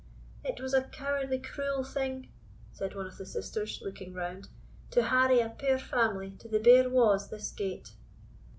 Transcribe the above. "It was a cowardly cruel thing," said one of the sisters, looking round, "to harry a puir family to the bare wa's this gate."